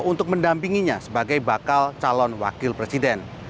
untuk mendampinginya sebagai bakal calon wakil presiden